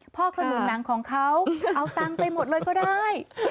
พ่อคนนุนังของเขาเอาตังไปหมดเลยก็ได้